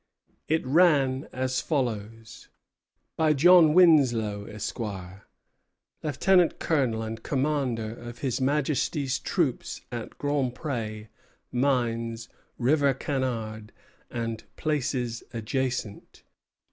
It ran as follows: By John Winslow, Esquire, Lieutenant Colonel and Commander of His Majesty's troops at Grand Pré, Mines, River Canard, and places adjacent.